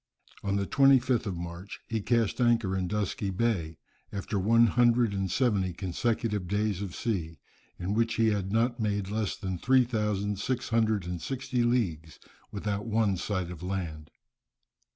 On the 25th of March he cast anchor in Dusky Bay, after one hundred and seventy consecutive days of sea, in which he had not made less than three thousand six hundred and sixty leagues, without one sight of land.